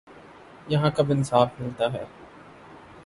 یہاں کب انصاف ملتا ہے